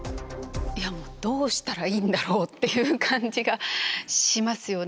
いやもうどうしたらいいんだろうっていう感じがしますよね。